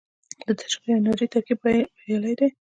د تجربې او انرژۍ ترکیب بریالی دی